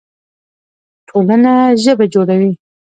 ټولنه ژبه جوړوي.